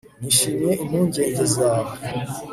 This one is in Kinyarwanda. nishimiye impungenge zawe